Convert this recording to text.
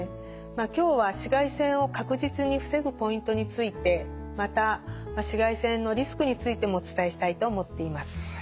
今日は紫外線を確実に防ぐポイントについてまた紫外線のリスクについてもお伝えしたいと思っています。